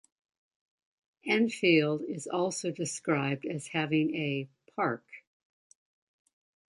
Enfield is also described as having a "parc".